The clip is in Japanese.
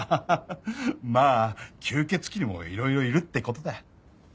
「まあ吸血鬼にも色々いるってことだ」